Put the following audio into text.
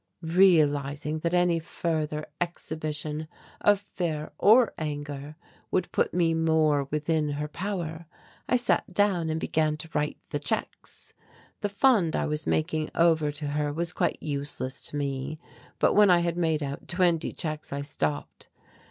Realizing that any further exhibition of fear or anger would put me more within her power, I sat down and began to write the checks. The fund I was making over to her was quite useless to me but when I had made out twenty checks I stopped.